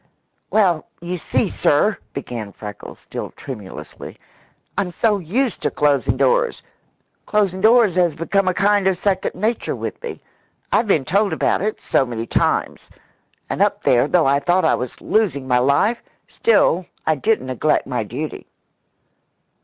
"Well, you see, sir," began Freckles, still tremulously, "I'm so used to closin' doors. Closin' doors has become a kind of second nature with me. I've been told about it so many times. And up there, though I thought I was losin' my life, still I didn't neglect my duty."